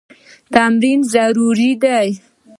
تمرین ضروري دی.